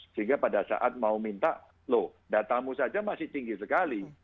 sehingga pada saat mau minta loh datamu saja masih tinggi sekali